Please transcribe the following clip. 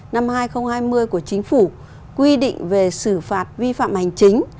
năm hai nghìn hai mươi của chính phủ quy định về xử phạt vi phạm hành chính